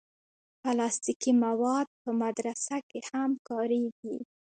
پلاستيکي مواد په مدرسه کې هم کارېږي.